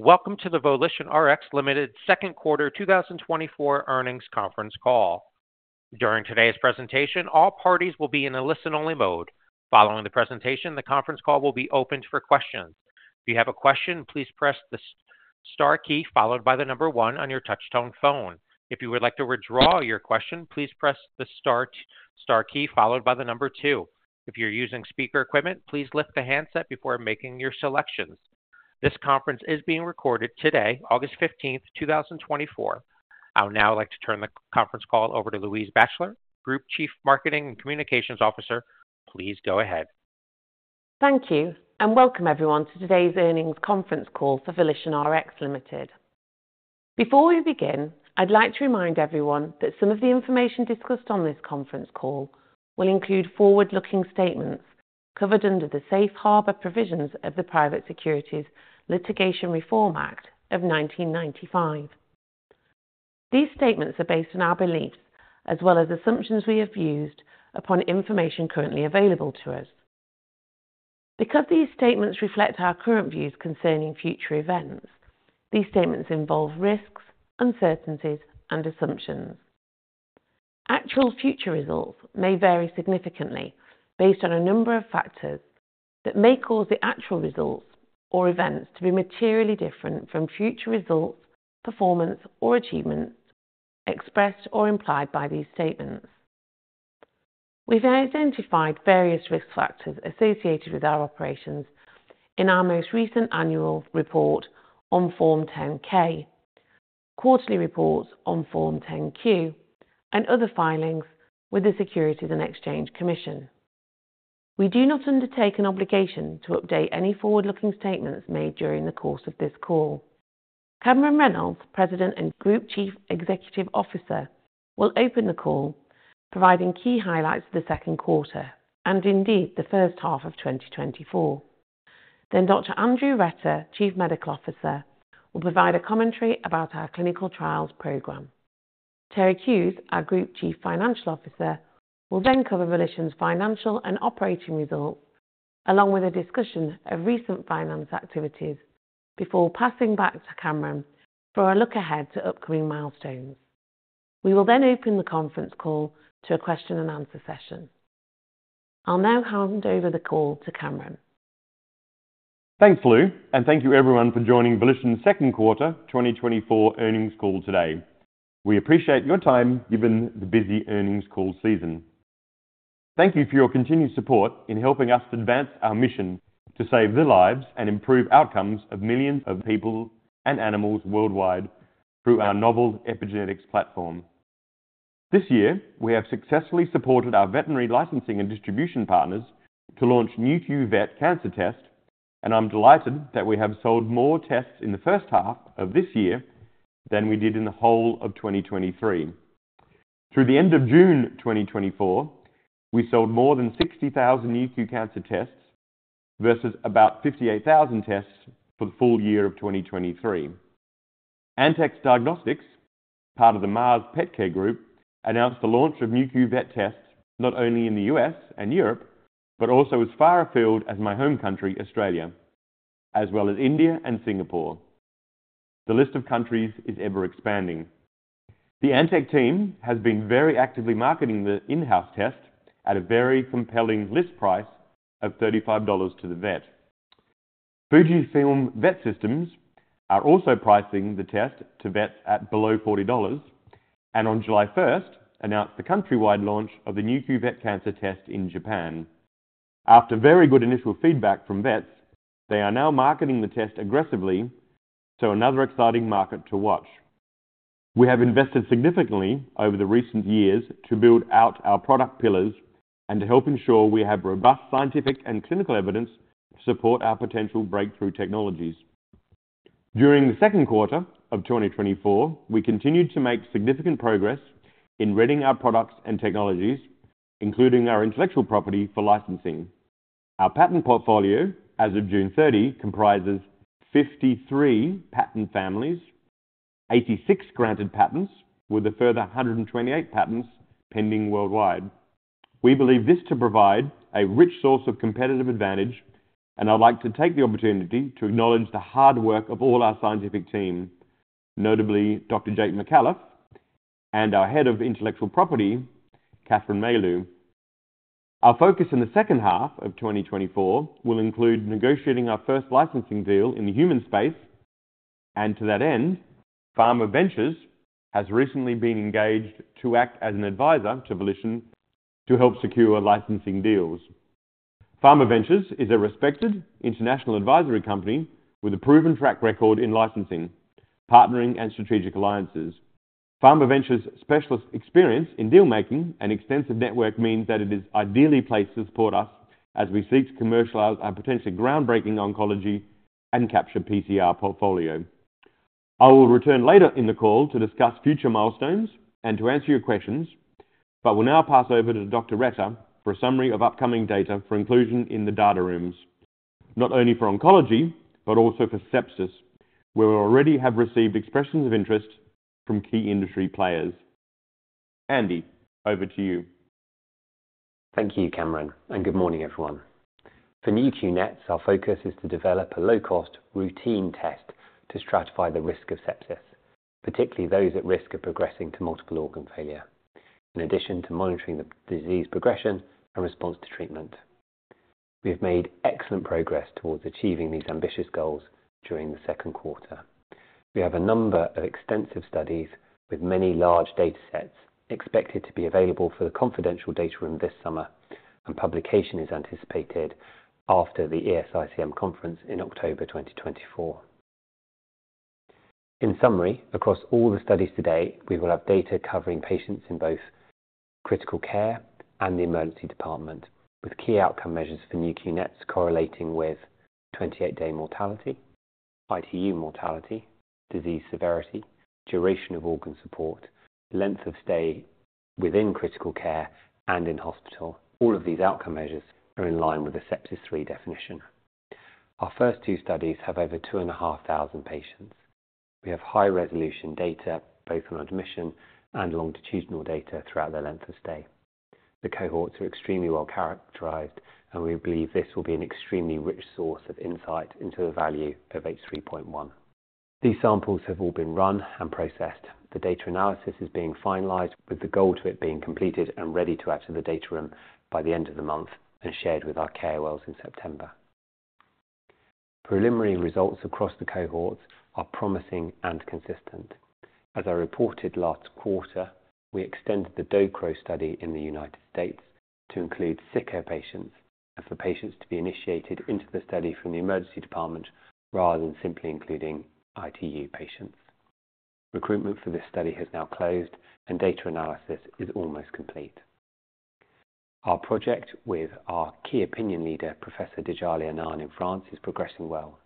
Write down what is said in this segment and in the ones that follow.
Welcome to the VolitionRx Limited second quarter 2024 earnings conference call. During today's presentation, all parties will be in a listen-only mode. Following the presentation, the conference call will be opened for questions. If you have a question, please press the star key followed by the number one on your touchtone phone. If you would like to withdraw your question, please press the star key, followed by the number two. If you're using speaker equipment, please lift the handset before making your selections. This conference is being recorded today, August 15th, 2024. I would now like to turn the conference call over to Louise Batchelor, Group Chief Marketing and Communications Officer. Please go ahead. Thank you, and welcome everyone to today's earnings conference call for VolitionRx Limited. Before we begin, I'd like to remind everyone that some of the information discussed on this conference call will include forward-looking statements covered under the Safe Harbor provisions of the Private Securities Litigation Reform Act of 1995. These statements are based on our beliefs as well as assumptions we have used upon information currently available to us. Because these statements reflect our current views concerning future events, these statements involve risks, uncertainties, and assumptions. Actual future results may vary significantly based on a number of factors that may cause the actual results or events to be materially different from future results, performance, or achievements expressed or implied by these statements. We've identified various risk factors associated with our operations in our most recent annual report on Form 10-K, quarterly reports on Form 10-Q, and other filings with the Securities and Exchange Commission. We do not undertake an obligation to update any forward-looking statements made during the course of this call. Cameron Reynolds, President and Group Chief Executive Officer, will open the call, providing key highlights of the second quarter and indeed, the first half of 2024. Then Dr. Andrew Retter, Chief Medical Officer, will provide a commentary about our clinical trials program. Terig Hughes, our Group Chief Financial Officer, will then cover Volition's financial and operating results, along with a discussion of recent finance activities, before passing back to Cameron for a look ahead to upcoming milestones. We will then open the conference call to a question and answer session. I'll now hand over the call to Cameron. Thanks, Lou, and thank you everyone for joining Volition's second quarter 2024 earnings call today. We appreciate your time, given the busy earnings call season. Thank you for your continued support in helping us advance our mission to save the lives and improve outcomes of millions of people and animals worldwide through our novel epigenetics platform. This year, we have successfully supported our veterinary licensing and distribution partners to launch Nu.Q Vet Cancer Test, and I'm delighted that we have sold more tests in the first half of this year than we did in the whole of 2023. Through the end of June 2024, we sold more than 60,000 Nu.Q Cancer Tests versus about 58,000 tests for the full year of 2023. Antech Diagnostics, part of the Mars Petcare Group, announced the launch of Nu.Q Vet tests not only in the U.S. and Europe, but also as far afield as my home country, Australia, as well as India and Singapore. The list of countries is ever expanding. The Antech team has been very actively marketing the in-house test at a very compelling list price of $35 to the vet. Fujifilm Vet Systems are also pricing the test to vets at below $40, and on July 1st, announced the countrywide launch of the Nu.Q Vet Cancer Test in Japan. After very good initial feedback from vets, they are now marketing the test aggressively, so another exciting market to watch. We have invested significantly over the recent years to build out our product pillars and to help ensure we have robust scientific and clinical evidence to support our potential breakthrough technologies. During the second quarter of 2024, we continued to make significant progress in readying our products and technologies, including our intellectual property for licensing. Our patent portfolio, as of June 30, comprises 53 patent families, 86 granted patents, with a further 128 patents pending worldwide. We believe this to provide a rich source of competitive advantage, and I'd like to take the opportunity to acknowledge the hard work of all our scientific team, notably Dr. Jake Micallef and our Head of Intellectual Property, Kathryn Mailhot. Our focus in the second half of 2024 will include negotiating our first licensing deal in the human space, and to that end, PharmaVentures has recently been engaged to act as an advisor to Volition to help secure licensing deals. PharmaVentures is a respected international advisory company with a proven track record in licensing, partnering, and strategic alliances. PharmaVentures' specialist experience in deal-making and extensive network means that it is ideally placed to support us as we seek to commercialize our potentially groundbreaking oncology and Capture-PCR portfolio. I will return later in the call to discuss future milestones and to answer your questions, but will now pass over to Dr. Retter for a summary of upcoming data for inclusion in the data rooms, not only for oncology, but also for sepsis. We already have received expressions of interest from key industry players. Andy, over to you. Thank you, Cameron, and good morning, everyone. For Nu.Q NETs, our focus is to develop a low-cost routine test to stratify the risk of sepsis, particularly those at risk of progressing to multiple organ failure, in addition to monitoring the disease progression and response to treatment. We have made excellent progress towards achieving these ambitious goals during the second quarter. We have a number of extensive studies with many large data sets expected to be available for the confidential data room this summer, and publication is anticipated after the ESICM conference in October 2024. In summary, across all the studies today, we will have data covering patients in both critical care and the emergency department, with key outcome measures for Nu.Q NETs correlating with 28-day mortality, ITU mortality, disease severity, duration of organ support, length of stay within critical care and in hospital. All of these outcome measures are in line with the Sepsis-3 definition. Our first two studies have over 2,500 patients. We have high-resolution data, both on admission and longitudinal data throughout their length of stay. The cohorts are extremely well characterized, and we believe this will be an extremely rich source of insight into the value of H3.1. These samples have all been run and processed. The data analysis is being finalized, with the goal to it being completed and ready to add to the data room by the end of the month and shared with our KOLs in September. Preliminary results across the cohorts are promising and consistent. As I reported last quarter, we extended the DXOCRO Study in the United States to include sicker patients and for patients to be initiated into the study from the emergency department rather than simply including ITU patients. Recruitment for this study has now closed, and data analysis is almost complete. Our project with our key opinion leader, Professor Djalil Annane in France, is progressing well.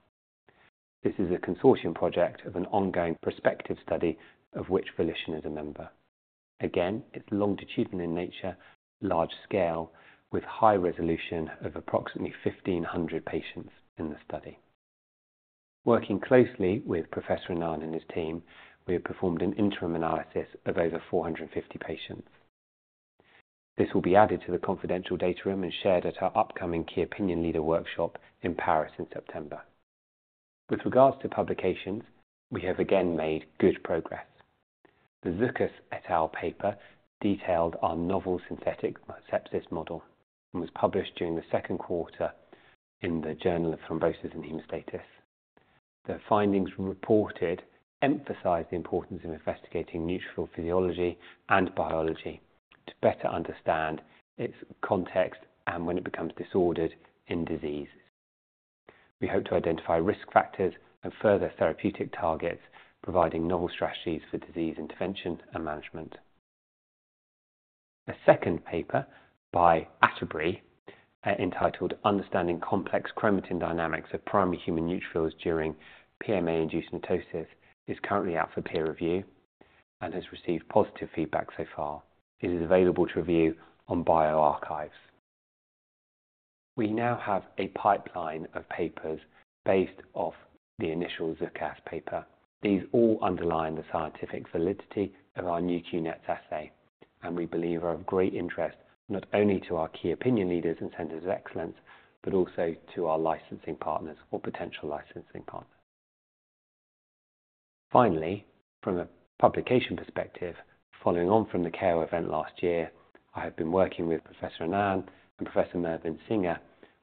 This is a consortium project of an ongoing prospective study of which Volition is a member. Again, it's longitudinal in nature, large scale, with high resolution of approximately 1,500 patients in the study. Working closely with Professor Annane and his team, we have performed an interim analysis of over 450 patients. This will be added to the confidential data room and shared at our upcoming key opinion leader workshop in Paris in September. With regards to publications, we have again made good progress. The Zukas et al. paper detailed our novel synthetic sepsis model and was published during the second quarter in the Journal of Thrombosis and Haemostasis. The findings reported emphasize the importance of investigating neutrophil physiology and biology to better understand its context and when it becomes disordered in disease. We hope to identify risk factors and further therapeutic targets, providing novel strategies for disease intervention and management. A second paper by Atterbury entitled "Understanding Complex Chromatin Dynamics of Primary Human Neutrophils during PMA-Induced NETosis" is currently out for peer review and has received positive feedback so far. It is available to review on bioRxiv. We now have a pipeline of papers based off the initial Zukas paper. These all underline the scientific validity of our Nu.Q NETs assay, and we believe are of great interest not only to our key opinion leaders and centers of excellence, but also to our licensing partners or potential licensing partners. Finally, from a publication perspective, following on from the KOL event last year, I have been working with Professor Annane and Professor Mervyn Singer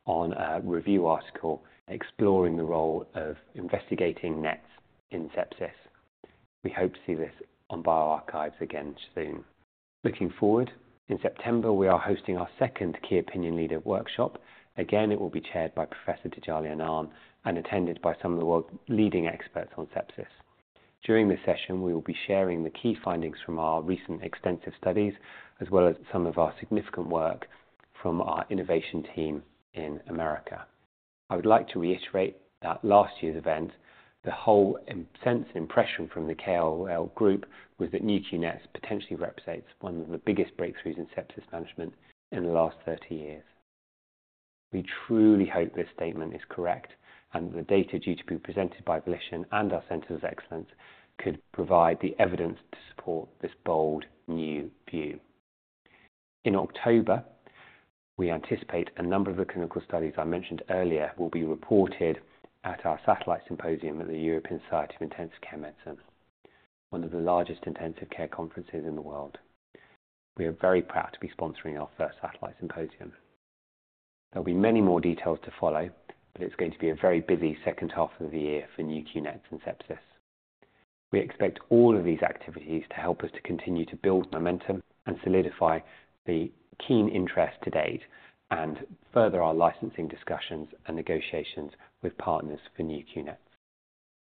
on a review article exploring the role of investigating NETs in sepsis. We hope to see this on bioRxiv again soon. Looking forward, in September, we are hosting our second key opinion leader workshop. Again, it will be chaired by Professor Djalil Annane and attended by some of the world's leading experts on sepsis. During this session, we will be sharing the key findings from our recent extensive studies, as well as some of our significant work from our innovation team in America. I would like to reiterate that last year's event, the whole sense and impression from the KOL group, was that Nu.Q NETs potentially represents one of the biggest breakthroughs in sepsis management in the last 30 years. We truly hope this statement is correct, and the data due to be presented by Volition and our Centers of Excellence could provide the evidence to support this bold new view. In October, we anticipate a number of the clinical studies I mentioned earlier will be reported at our satellite symposium at the European Society of Intensive Care Medicine, one of the largest intensive care conferences in the world. We are very proud to be sponsoring our first satellite symposium. There'll be many more details to follow, but it's going to be a very busy second half of the year for Nu.Q NETs and sepsis. We expect all of these activities to help us to continue to build momentum and solidify the keen interest to date and further our licensing discussions and negotiations with partners for Nu.Q NETs.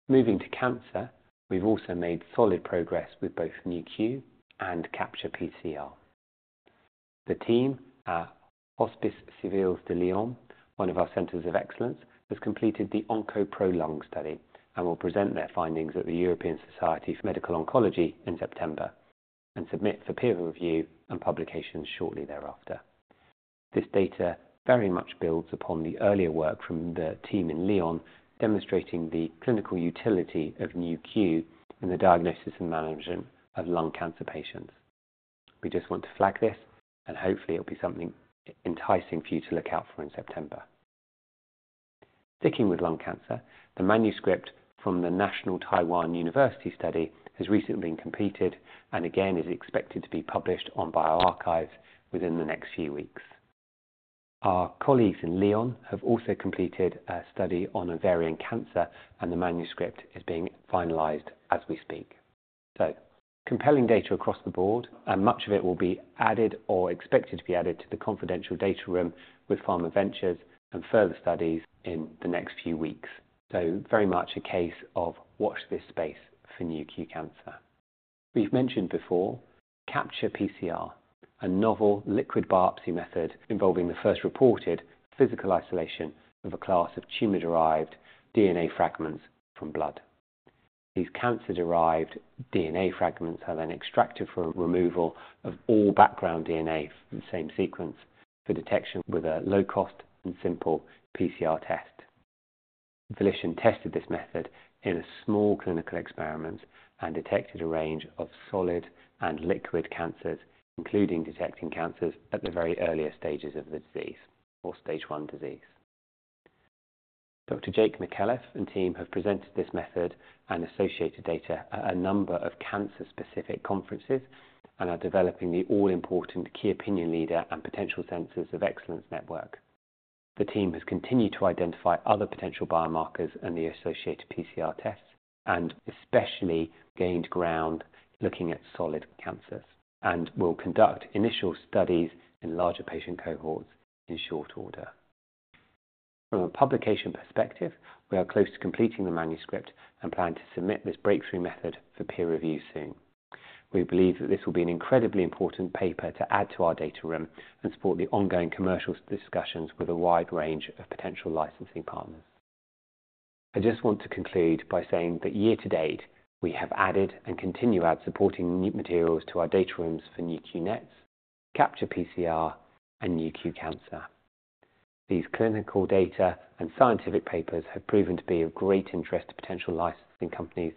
Moving to cancer, we've also made solid progress with both Nu.Q and Capture-PCR. The team at Hospices Civils de Lyon, one of our centers of excellence, has completed the OncoProLung study and will present their findings at the European Society for Medical Oncology in September and submit for peer review and publication shortly thereafter. This data very much builds upon the earlier work from the team in Lyon, demonstrating the clinical utility of Nu.Q in the diagnosis and management of lung cancer patients. We just want to flag this, and hopefully it will be something enticing for you to look out for in September. Sticking with lung cancer, the manuscript from the National Taiwan University study has recently been completed, and again, is expected to be published on bioRxiv within the next few weeks. Our colleagues in Lyon have also completed a study on ovarian cancer, and the manuscript is being finalized as we speak. So compelling data across the board, and much of it will be added or expected to be added to the confidential data room with PharmaVentures and further studies in the next few weeks. So very much a case of watch this space for Nu.Q Cancer. We've mentioned before, Capture-PCR, a novel liquid biopsy method involving the first reported physical isolation of a class of tumor-derived DNA fragments from blood. These cancer-derived DNA fragments are then extracted for removal of all background DNA from the same sequence for detection with a low-cost and simple PCR test. Volition tested this method in a small clinical experiment and detected a range of solid and liquid cancers, including detecting cancers at the very earliest stages of the disease or stage I disease. Dr. Jake Micallef and team have presented this method and associated data at a number of cancer-specific conferences and are developing the all-important key opinion leader and potential centers of excellence network. The team has continued to identify other potential biomarkers and the associated PCR tests, and especially gained ground looking at solid cancers, and will conduct initial studies in larger patient cohorts in short order. From a publication perspective, we are close to completing the manuscript and plan to submit this breakthrough method for peer review soon. We believe that this will be an incredibly important paper to add to our data room and support the ongoing commercial discussions with a wide range of potential licensing partners. I just want to conclude by saying that year to date, we have added and continue add supporting new materials to our data rooms for Nu.Q NETs, Capture-PCR, and Nu.Q Cancer. These clinical data and scientific papers have proven to be of great interest to potential licensing companies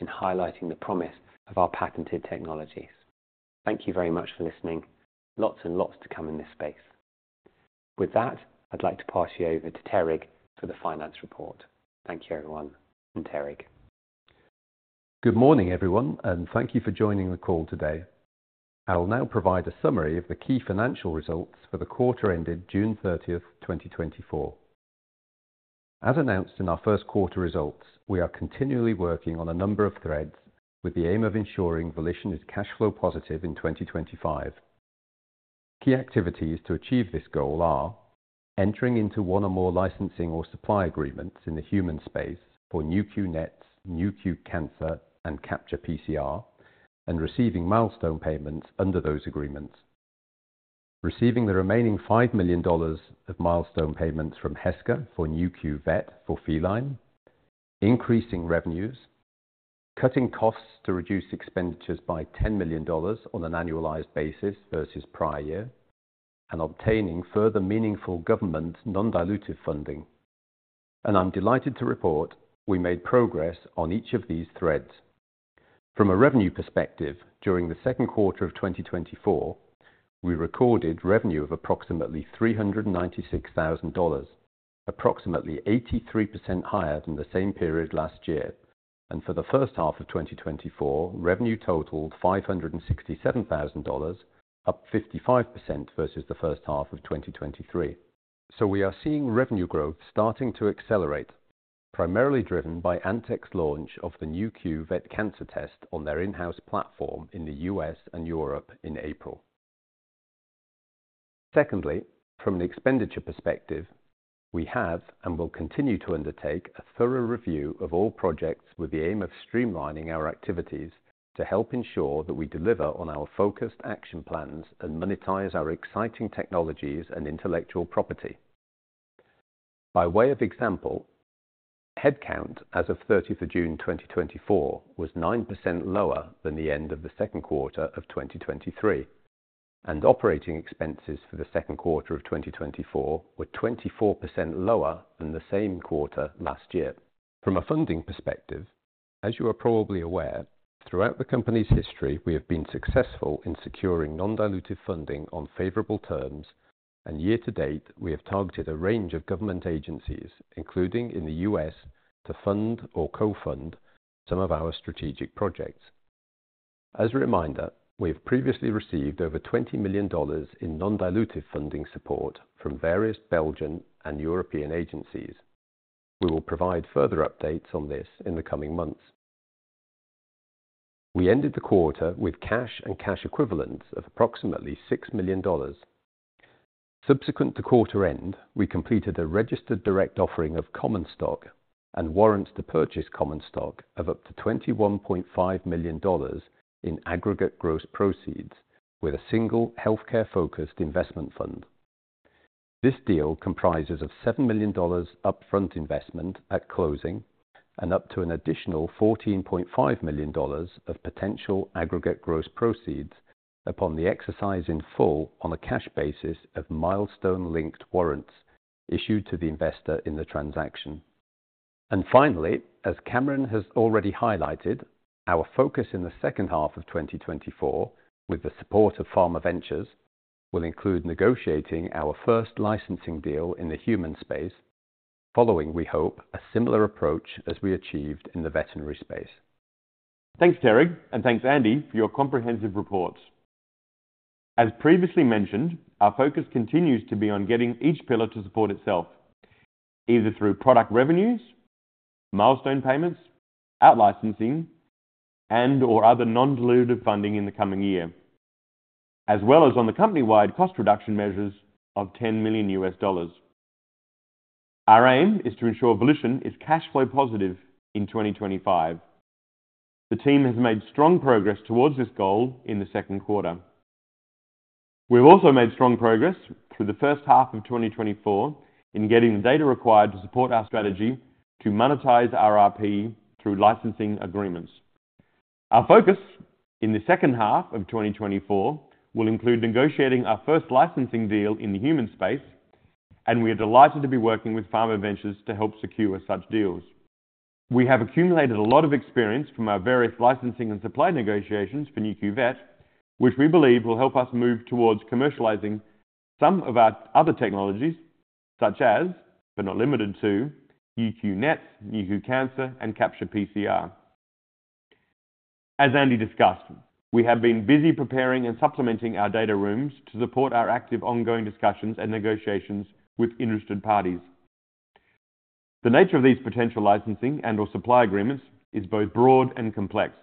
in highlighting the promise of our patented technologies. Thank you very much for listening. Lots and lots to come in this space. With that, I'd like to pass you over to Terig for the finance report. Thank you, everyone, and Terig. Good morning, everyone, and thank you for joining the call today. I will now provide a summary of the key financial results for the quarter ended June 30, 2024. As announced in our first quarter results, we are continually working on a number of threads with the aim of ensuring Volition is cash flow positive in 2025. Key activities to achieve this goal are: entering into one or more licensing or supply agreements in the human space for Nu.Q NETs, Nu.Q Cancer, and Capture-PCR, and receiving milestone payments under those agreements. Receiving the remaining $5 million of milestone payments from Heska for Nu.Q Vet for Feline, increasing revenues, cutting costs to reduce expenditures by $10 million on an annualized basis versus prior year, and obtaining further meaningful government non-dilutive funding. And I'm delighted to report we made progress on each of these threads. From a revenue perspective, during the second quarter of 2024, we recorded revenue of approximately $396,000, approximately 83% higher than the same period last year. And for the first half of 2024, revenue totaled $567,000, up 55% versus the first half of 2023. So we are seeing revenue growth starting to accelerate, primarily driven by Antech launch of the Nu.Q Vet Cancer Test on their in-house platform in the US and Europe in April. Secondly, from an expenditure perspective, we have and will continue to undertake a thorough review of all projects with the aim of streamlining our activities to help ensure that we deliver on our focused action plans and monetize our exciting technologies and intellectual property. By way of example, headcount as of June 30th, 2024, was 9% lower than the end of the second quarter of 2023, and operating expenses for the second quarter of 2024 were 24% lower than the same quarter last year. From a funding perspective, as you are probably aware, throughout the company's history, we have been successful in securing non-dilutive funding on favorable terms, and year to date, we have targeted a range of government agencies, including in the U.S., to fund or co-fund some of our strategic projects. As a reminder, we have previously received over $20 million in non-dilutive funding support from various Belgian and European agencies. We will provide further updates on this in the coming months. We ended the quarter with cash and cash equivalents of approximately $6 million. Subsequent to quarter end, we completed a registered direct offering of common stock and warrants to purchase common stock of up to $21.5 million in aggregate gross proceeds with a single healthcare-focused investment fund. This deal comprises of $7 million upfront investment at closing and up to an additional $14.5 million of potential aggregate gross proceeds upon the exercise in full on a cash basis of milestone-linked warrants issued to the investor in the transaction. And finally, as Cameron has already highlighted, our focus in the second half of 2024, with the support of PharmaVentures, will include negotiating our first licensing deal in the human space, following, we hope, a similar approach as we achieved in the veterinary space. Thanks, Terig, and thanks Andy, for your comprehensive report. As previously mentioned, our focus continues to be on getting each pillar to support itself, either through product revenues, milestone payments, out-licensing, and/or other non-dilutive funding in the coming year, as well as on the company-wide cost reduction measures of $10 million. Our aim is to ensure Volition is cash flow positive in 2025. The team has made strong progress towards this goal in the second quarter. We've also made strong progress through the first half of 2024 in getting the data required to support our strategy to monetize our IP through licensing agreements. Our focus in the second half of 2024 will include negotiating our first licensing deal in the human space, and we are delighted to be working with PharmaVentures to help secure such deals. We have accumulated a lot of experience from our various licensing and supply negotiations for Nu.Q Vet, which we believe will help us move towards commercializing some of our other technologies, such as, but not limited to, Nu.Q NETs, Nu.Q Cancer, and Capture-PCR. As Andy discussed, we have been busy preparing and supplementing our data rooms to support our active, ongoing discussions and negotiations with interested parties. The nature of these potential licensing and/or supply agreements is both broad and complex.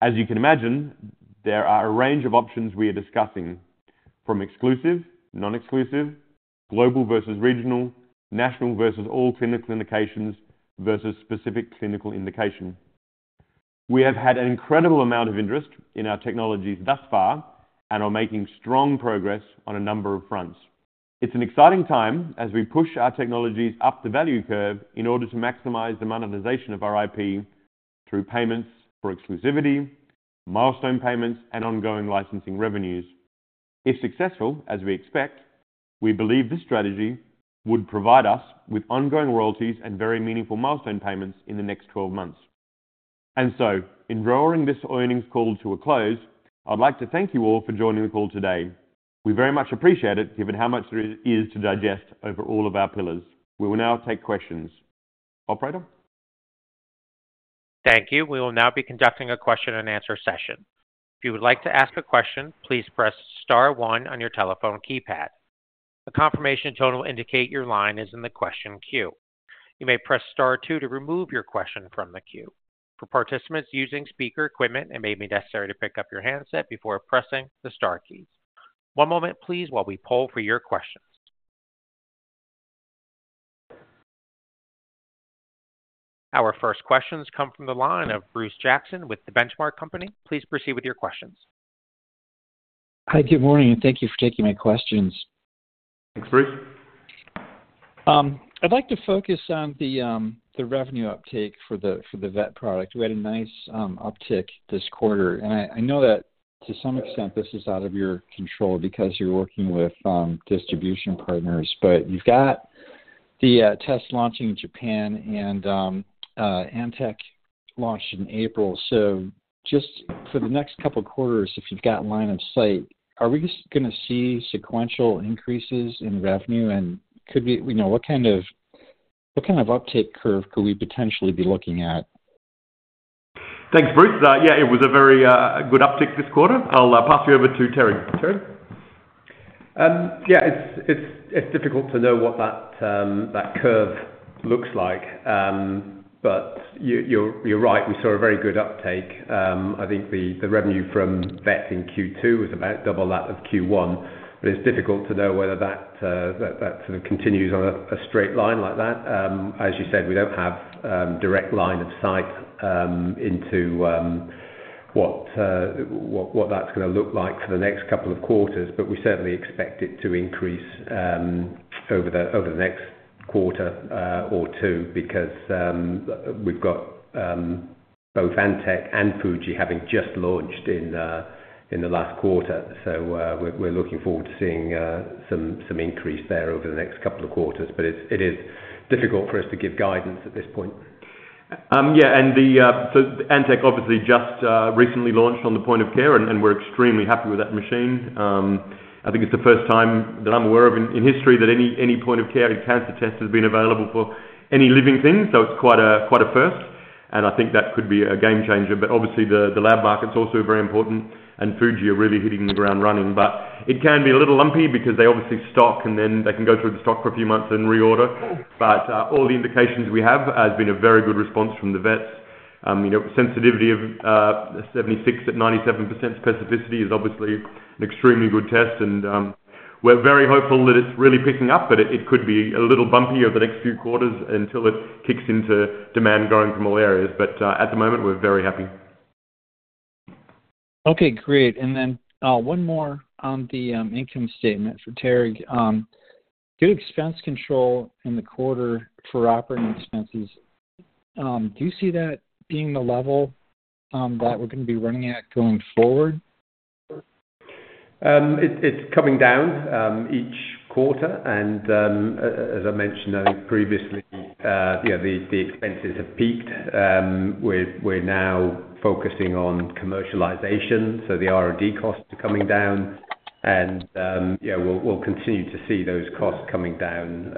As you can imagine, there are a range of options we are discussing, from exclusive, non-exclusive, global versus regional, national versus all clinical indications versus specific clinical indication. We have had an incredible amount of interest in our technologies thus far and are making strong progress on a number of fronts. It's an exciting time as we push our technologies up the value curve in order to maximize the monetization of our IP through payments for exclusivity, milestone payments, and ongoing licensing revenues. If successful, as we expect, we believe this strategy would provide us with ongoing royalties and very meaningful milestone payments in the next 12 months. So in drawing this earnings call to a close, I'd like to thank you all for joining the call today. We very much appreciate it, given how much there is to digest over all of our pillars. We will now take questions. Operator? Thank you. We will now be conducting a question-and-answer session. If you would like to ask a question, please press star one on your telephone keypad. A confirmation tone will indicate your line is in the question queue. You may press star two to remove your question from the queue. For participants using speaker equipment, it may be necessary to pick up your handset before pressing the star keys. One moment please, while we poll for your questions. Our first questions come from the line of Bruce Jackson with The Benchmark Company. Please proceed with your questions. Hi, good morning, and thank you for taking my questions. Thanks, Bruce. I'd like to focus on the revenue uptake for the vet product. We had a nice uptick this quarter, and I know that to some extent this is out of your control because you're working with distribution partners, but you've got the test launching in Japan and Antech launched in April. So just for the next couple of quarters, if you've got line of sight, are we just gonna see sequential increases in revenue? And could we, you know, what kind of uptick curve could we potentially be looking at? Thanks, Bruce. Yeah, it was a very good uptick this quarter. I'll pass you over to Terig. Terig? Yeah, it's difficult to know what that curve looks like. But you're right, we saw a very good uptake. I think the revenue from vet in Q2 was about double that of Q1, but it's difficult to know whether that sort of continues on a straight line like that. As you said, we don't have direct line of sight into what that's gonna look like for the next couple of quarters, but we certainly expect it to increase over the next quarter or two, because we've got both Antech and Fuji having just launched in the last quarter. We're looking forward to seeing some increase there over the next couple of quarters, but it is difficult for us to give guidance at this point. Yeah, and the, so Antech obviously just recently launched on the point-of-care, and, and we're extremely happy with that machine. I think it's the first time that I'm aware of in, in history, that any, any point-of-care cancer test has been available for any living thing. So it's quite a, quite a first, and I think that could be a game changer. But obviously the, the lab market's also very important, and Fuji are really hitting the ground running. But it can be a little lumpy because they obviously stock, and then they can go through the stock for a few months and reorder. But, all the indications we have has been a very good response from the vets. You know, sensitivity of 76%-97% specificity is obviously an extremely good test, and we're very hopeful that it's really picking up, but it could be a little bumpy over the next few quarters until it kicks into demand growing from all areas. But at the moment, we're very happy. Okay, great. And then, one more on the income statement for Terig. Good expense control in the quarter for operating expenses. Do you see that being the level, that we're gonna be running at going forward? It's coming down each quarter. And as I mentioned earlier previously, you know, the expenses have peaked. We're now focusing on commercialization, so the R&D costs are coming down, and yeah, we'll continue to see those costs coming down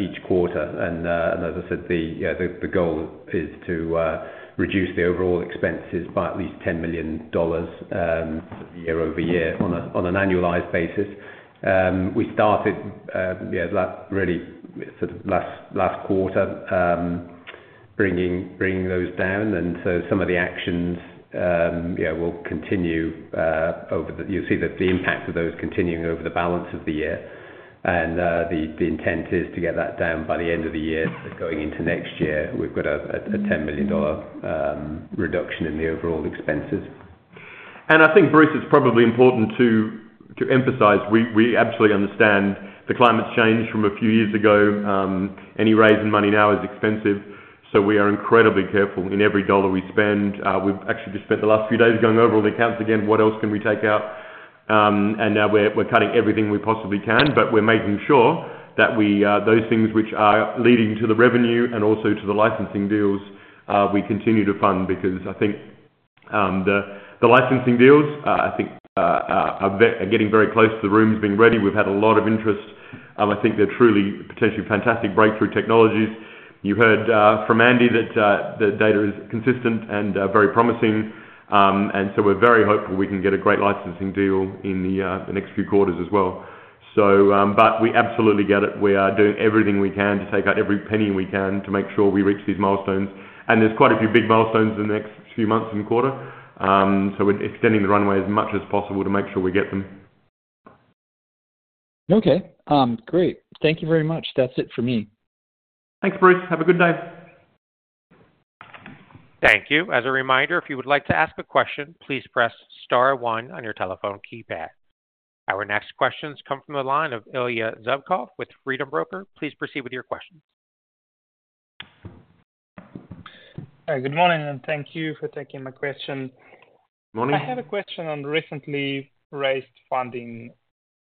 each quarter. And and as I said, the goal is to reduce the overall expenses by at least $10 million year-over-year on an annualized basis. We started yeah last really sort of last last quarter bringing bringing those down. And so some of the actions yeah will continue over the year. You'll see that the impact of those continuing over the balance of the year. And the intent is to get that down by the end of the year. Going into next year, we've got a $10 million reduction in the overall expenses. I think, Bruce, it's probably important to, to emphasize, we, we absolutely understand the climate's changed from a few years ago, any raise in money now is expensive, so we are incredibly careful in every dollar we spend. We've actually just spent the last few days going over all the accounts again, what else can we take out? And now we're, we're cutting everything we possibly can, but we're making sure that we, those things which are leading to the revenue and also to the licensing deals, we continue to fund. Because I think, the, the licensing deals, I think, are, are getting very close to the rooms being ready. We've had a lot of interest. I think they're truly potentially fantastic breakthrough technologies. You heard, from Andy that, the data is consistent and, very promising. So we're very hopeful we can get a great licensing deal in the next few quarters as well. But we absolutely get it. We are doing everything we can to take out every penny we can to make sure we reach these milestones. There's quite a few big milestones in the next few months and quarter. We're extending the runway as much as possible to make sure we get them. Okay. Great. Thank you very much. That's it for me. Thanks, Bruce. Have a good day. Thank you. As a reminder, if you would like to ask a question, please press star one on your telephone keypad. Our next questions come from the line of Ilya Zubkov with Freedom Broker. Please proceed with your questions. Hi, good morning, and thank you for taking my question. Morning. I had a question on recently raised funding.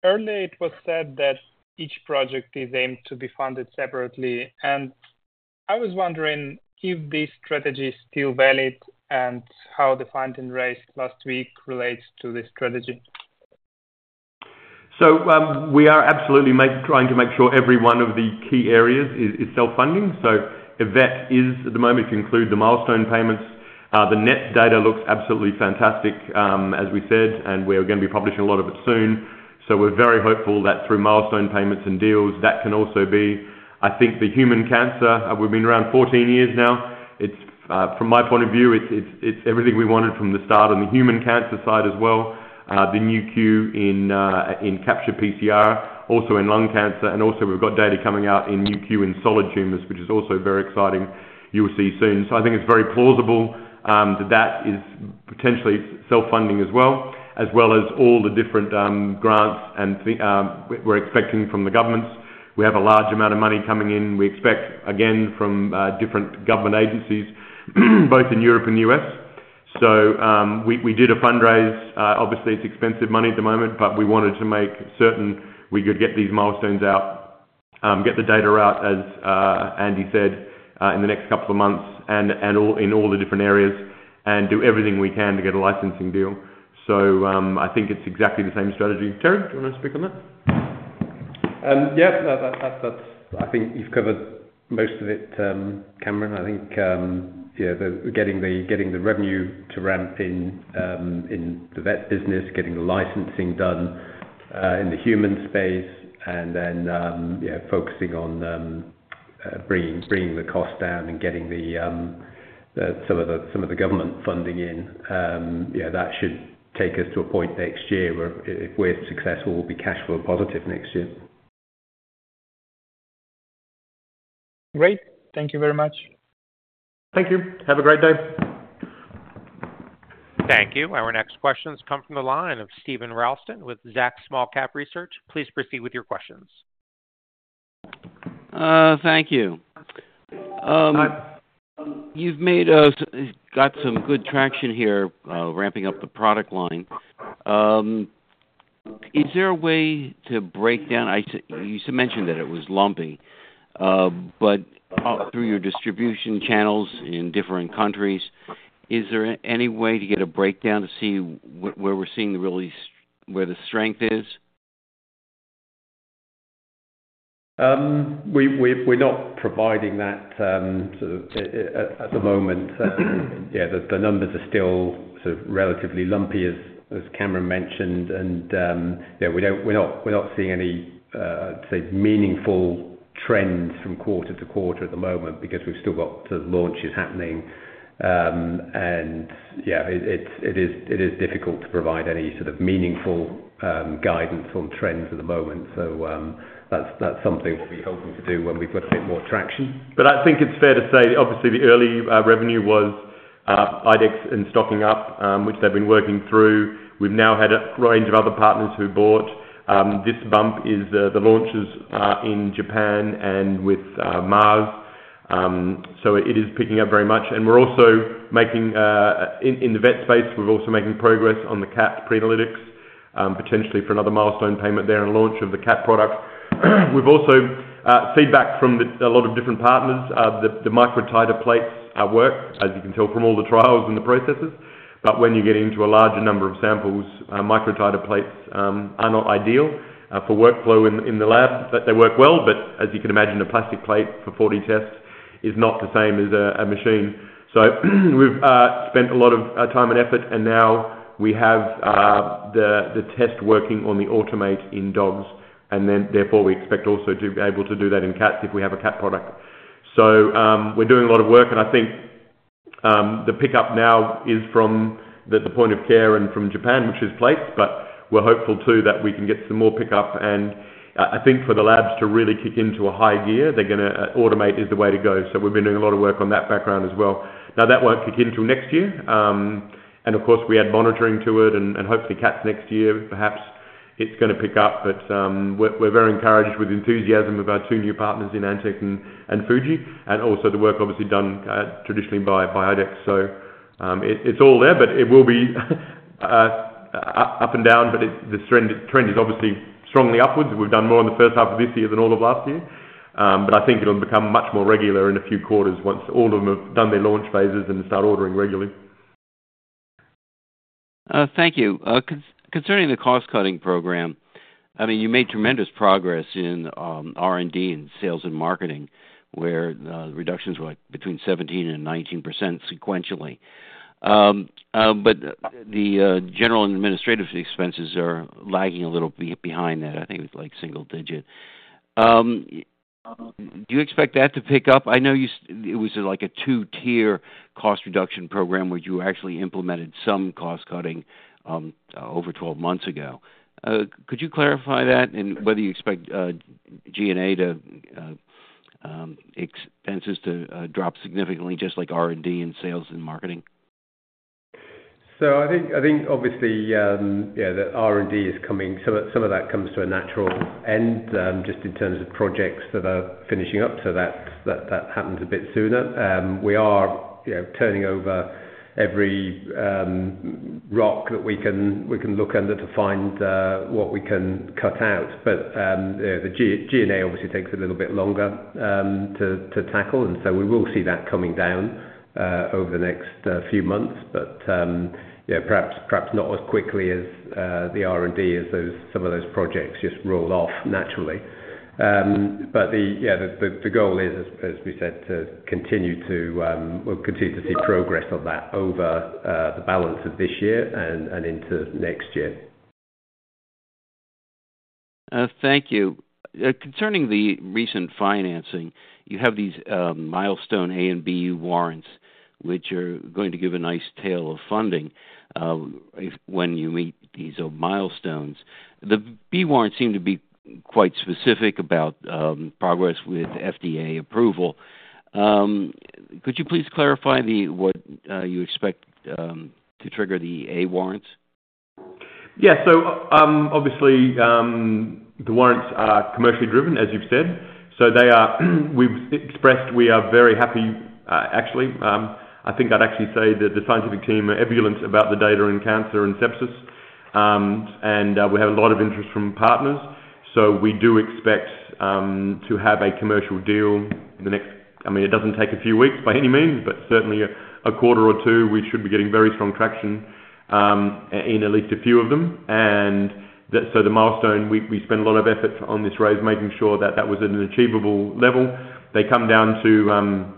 Earlier, it was said that each project is aimed to be funded separately, and I was wondering if this strategy is still valid and how the funding raised last week relates to this strategy? So, we are absolutely trying to make sure every one of the key areas is self-funding. So Nu.Q Vet is, at the moment, include the milestone payments. The Nu.Q NETs data looks absolutely fantastic, as we said, and we are gonna be publishing a lot of it soon. So we're very hopeful that through milestone payments and deals, that can also be... I think the human cancer, we've been around 14 years now. It's, from my point of view, it's everything we wanted from the start on the human cancer side as well. The Nu.Q in Capture-PCR, also in lung cancer, and also we've got data coming out in Nu.Q in solid tumors, which is also very exciting. You will see soon. So I think it's very plausible, that is potentially self-funding as well, as well as all the different, grants and the, we're expecting from the governments. We have a large amount of money coming in. We expect, again, from, different government agencies, both in Europe and US. So, we, we did a fundraise. Obviously, it's expensive money at the moment, but we wanted to make certain we could get these milestones out, get the data out, as, Andy said, in the next couple of months, and, and all- in all the different areas, and do everything we can to get a licensing deal. So, I think it's exactly the same strategy. Terig, do you want to speak on that? Yeah, that's, I think you've covered most of it, Cameron. I think, yeah, getting the revenue to ramp in the vet business, getting the licensing done in the human space, and then, yeah, focusing on bringing the cost down and getting some of the government funding in. Yeah, that should take us to a point next year, where if we're successful, we'll be cash flow positive next year. Great. Thank you very much. Thank you. Have a great day. Thank you. Our next questions come from the line of Steven Ralston with Zacks Small Cap Research. Please proceed with your questions. Thank you. Hi. You've got some good traction here, ramping up the product line. Is there a way to break down? You mentioned that it was lumpy, but through your distribution channels in different countries, is there any way to get a breakdown to see where we're seeing the really, where the strength is? We're not providing that sort of at the moment. Yeah, the numbers are still sort of relatively lumpy, as Cameron mentioned, and yeah, we're not seeing any say meaningful trends from quarter to quarter at the moment because we've still got the launches happening. And yeah, it is difficult to provide any sort of meaningful guidance on trends at the moment. So, that's something we'll be hoping to do when we've got a bit more traction. But I think it's fair to say, obviously, the early revenue was IDEXX and stocking up, which they've been working through. We've now had a range of other partners who bought. This bump is the launches in Japan and with Mars. So it is picking up very much, and we're also making, in the vet space, we're also making progress on the cat pre-analytics, potentially for another milestone payment there and launch of the cat product. We've also feedback from a lot of different partners that the microtiter plates work, as you can tell from all the trials and the processes. But when you get into a larger number of samples, microtiter plates are not ideal for workflow in the lab, but they work well. But as you can imagine, a plastic plate for 40 tests is not the same as a machine. So we've spent a lot of time and effort, and now we have the test working on the automate in dogs, and then therefore, we expect also to be able to do that in cats if we have a cat product. So, we're doing a lot of work, and I think, the pickup now is from the point of care and from Japan, which is plates. But we're hopeful too, that we can get some more pickup, and, I think for the labs to really kick into a high gear, they're gonna automate is the way to go. So we've been doing a lot of work on that background as well. Now, that won't kick in till next year. And of course, we add monitoring to it and hopefully cats next year. Perhaps it's gonna pick up, but we're very encouraged with the enthusiasm of our two new partners in Antech and Fuji, and also the work obviously done traditionally by IDEXX. So, it's all there, but it will be up and down, but the trend is obviously strongly upwards, and we've done more in the first half of this year than all of last year. But I think it'll become much more regular in a few quarters once all of them have done their launch phases and start ordering regularly. Thank you. Concerning the cost-cutting program, I mean, you made tremendous progress in R&D and sales and marketing, where the reductions were between 17%-19% sequentially. But the general and administrative expenses are lagging a little behind that. I think it was like single-digit. Do you expect that to pick up? I know you said it was like a two-tier cost reduction program, where you actually implemented some cost cutting over 12 months ago. Could you clarify that and whether you expect G&A expenses to drop significantly, just like R&D and sales and marketing? So I think, I think obviously, the R&D is coming, so some of that comes to a natural end, just in terms of projects that are finishing up, so that, that, that happens a bit sooner. We are, you know, turning over every, rock that we can, we can look under to find, what we can cut out. But, the G&A obviously takes a little bit longer, to tackle, and so we will see that coming down, over the next, few months. But, yeah, perhaps, perhaps not as quickly as, the R&D as those, some of those projects just roll off naturally. But the goal is, as we said, to continue to, we'll continue to see progress on that over the balance of this year and into next year. Thank you. Concerning the recent financing, you have these milestone A and B warrants, which are going to give a nice tail of funding, when you meet these milestones. The B warrants seem to be quite specific about progress with FDA approval. Could you please clarify what you expect to trigger the A warrants? Yeah. So, obviously, the warrants are commercially driven, as you've said. So they are... We've expressed we are very happy, actually, I think I'd actually say that the scientific team are ebullient about the data in cancer and sepsis. And, we have a lot of interest from partners, so we do expect, to have a commercial deal in the next... I mean, it doesn't take a few weeks by any means, but certainly a quarter or two, we should be getting very strong traction, in at least a few of them. And the, so the milestone, we spend a lot of effort on this raise, making sure that that was an achievable level. They come down to,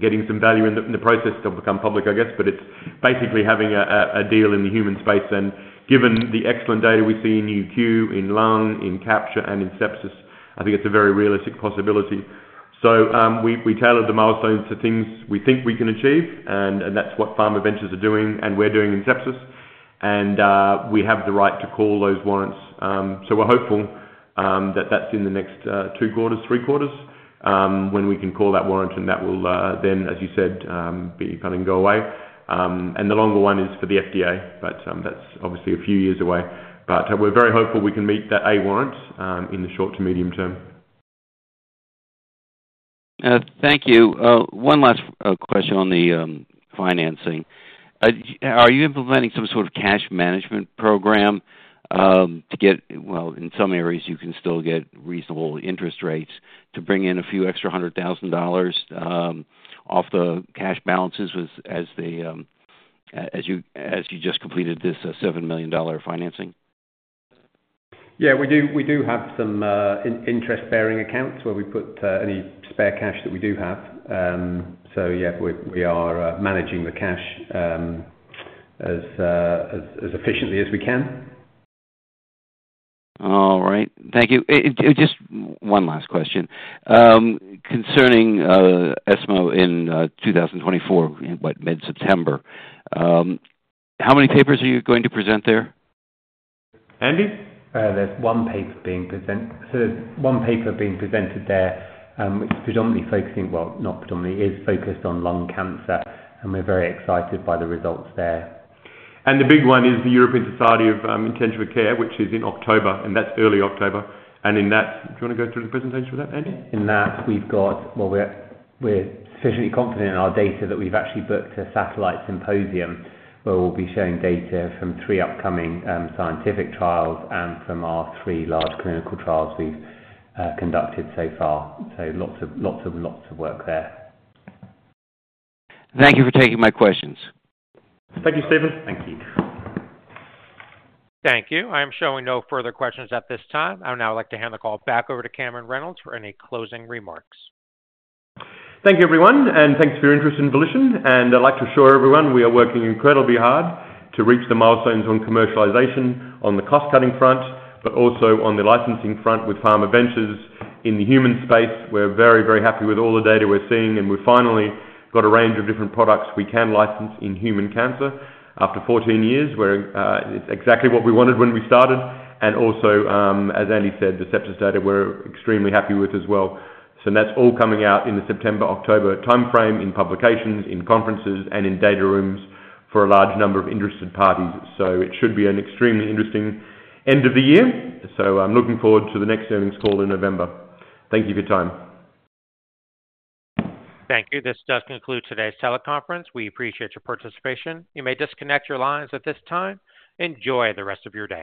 getting some value in the, in the process to become public, I guess. But it's basically having a deal in the human space, and given the excellent data we see in Nu.Q, in lung, in capture, and in sepsis, I think it's a very realistic possibility. So, we tailored the milestones to things we think we can achieve, and that's what PharmaVentures are doing and we're doing in sepsis, and we have the right to call those warrants. So we're hopeful that that's in the next two quarters, three quarters, when we can call that warrant, and that will then, as you said, become and go away. And the longer one is for the FDA, but that's obviously a few years away. But we're very hopeful we can meet that A warrant in the short to medium term. Thank you. One last question on the financing. Are you implementing some sort of cash management program to get, well, in some areas, you can still get reasonable interest rates to bring in a few extra $100,000 off the cash balances as you just completed this $7 million financing? Yeah, we do have some interest-bearing accounts where we put any spare cash that we do have. So yeah, we are managing the cash as efficiently as we can. All right. Thank you. Just one last question. Concerning ESMO in 2024, in what, mid-September. How many papers are you going to present there? Andy? There's one paper being presented there, which is predominantly focusing, well, not predominantly, is focused on lung cancer, and we're very excited by the results there. The big one is the European Society of Intensive Care, which is in October, and that's early October. In that... Do you want to go through the presentation of that, Andy? In that, we've got. Well, we're sufficiently confident in our data that we've actually booked a satellite symposium, where we'll be showing data from three upcoming scientific trials and from our three large clinical trials we've conducted so far. So lots of, lots of, lots of work there. Thank you for taking my questions. Thank you, Steven. Thank you. Thank you. I'm showing no further questions at this time. I would now like to hand the call back over to Cameron Reynolds for any closing remarks. Thank you, everyone, and thanks for your interest in Volition. I'd like to assure everyone we are working incredibly hard to reach the milestones on commercialization, on the cost-cutting front, but also on the licensing front with PharmaVentures. In the human space, we're very, very happy with all the data we're seeing, and we've finally got a range of different products we can license in human cancer after 14 years, where it's exactly what we wanted when we started. Also, as Andy said, the sepsis data we're extremely happy with as well. So that's all coming out in the September-October timeframe, in publications, in conferences, and in data rooms for a large number of interested parties. So it should be an extremely interesting end of the year. I'm looking forward to the next earnings call in November. Thank you for your time. Thank you. This does conclude today's teleconference. We appreciate your participation. You may disconnect your lines at this time. Enjoy the rest of your day.